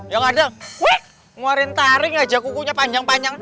yang ada ngeluarin taring aja kukunya panjang panjang